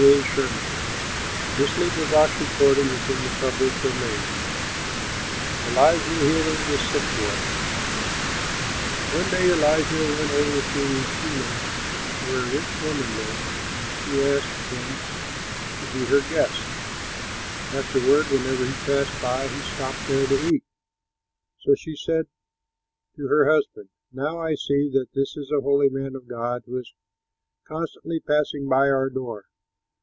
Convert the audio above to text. ELISHA HEALING THE SICK BOY One day Elisha went over to Shunem where a rich woman lived, and she asked him to be her guest. Afterward, whenever he passed by, he stopped there to eat. So she said to her husband, "Now I see that this is a holy man of God who is constantly passing by our door.